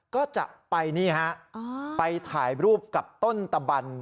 ก็จะไปนี่ฮะไปถ่ายรูปกับต้นตะบัน